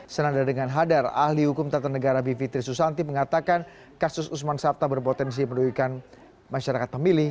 senada dengan hadar ahli hukum tata negara bivitri susanti mengatakan kasus usman sabta berpotensi merugikan masyarakat pemilih